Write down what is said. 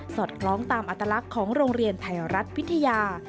อดคล้องตามอัตลักษณ์ของโรงเรียนไทยรัฐวิทยา